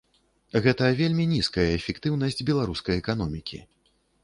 Гэта вельмі нізкая эфектыўнасць беларускай эканомікі.